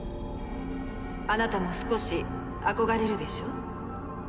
あなたも少し憧れるでしょ？